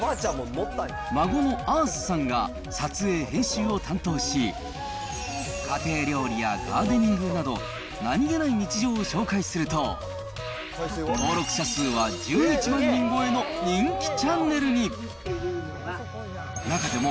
孫のあーすさんが撮影、編集を担当し、家庭料理やガーデニングなど、何気ない日常を紹介すると、登録者数は１１万人超えの人気チャンネルに。